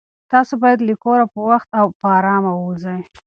تاسو باید له کوره په وخت او په ارامه ووځئ.